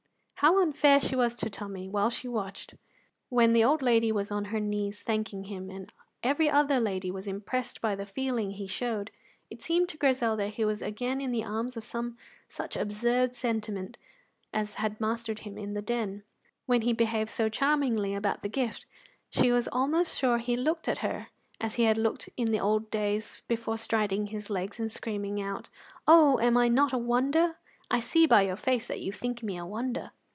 How unfair she was to Tommy while she watched! When the old lady was on her knees thanking him, and every other lady was impressed by the feeling he showed, it seemed to Grizel that he was again in the arms of some such absurd sentiment as had mastered him in the Den. When he behaved so charmingly about the gift she was almost sure he looked at her as he had looked in the old days before striding his legs and screaming out, "Oh, am I not a wonder? I see by your face that you think me a wonder!"